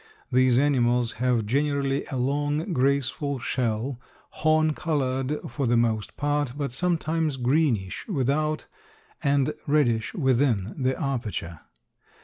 These animals have generally a long, graceful shell, horn colored for the most part, but sometimes greenish without and reddish within the aperture.